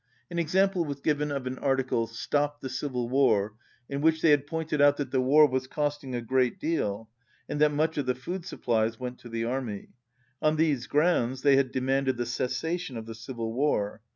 An example was given of an article, "Stop the Civil War," in which they had pointed out that the war was costing a great deal, and that much of the food supplies went to the army. On these grounds they had demanded the cessation of the civil war.